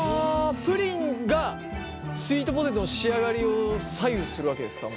プリンがスイートポテトの仕上がりを左右するわけですか？